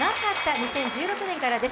２０１６年からです。